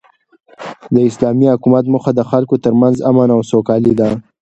د اسلامي حکومت موخه د خلکو تر منځ امن او سوکالي ده.